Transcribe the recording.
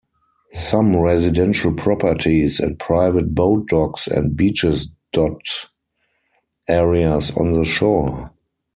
Some residential properties and private boat docks and beaches dot areas on the shore.